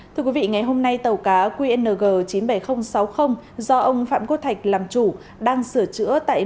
thưa quý vị ngày hôm nay tàu cá qng chín mươi bảy nghìn sáu mươi do ông phạm quốc thạch làm chủ đang sửa chữa tại